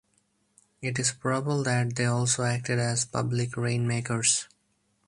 It is probable that they also acted as public rain-makers.